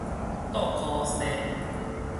倒箍踅